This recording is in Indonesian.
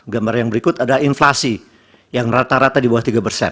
gambar yang berikut adalah inflasi yang rata rata di bawah tiga persen